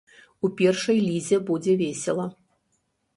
У першай лізе будзе весела.